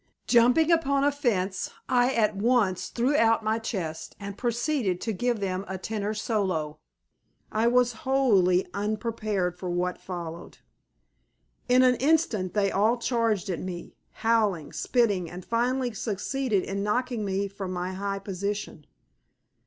Jumping upon a fence, I at once threw out my chest and proceeded to give them a tenor solo. I was wholly unprepared for what followed. In an instant they all charged at me, howling, spitting, and finally succeeded in knocking me from my high position.